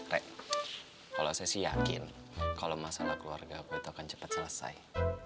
kalau saya sih yakin kalau masalah keluarga aku itu akan cepat selesai